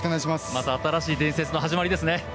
また新しい伝説の始まりですね。